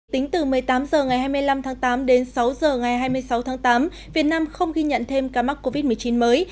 tính từ một mươi tám h ngày hai mươi năm tháng tám đến sáu h ngày hai mươi sáu tháng tám việt nam không ghi nhận thêm ca mắc covid một mươi chín mới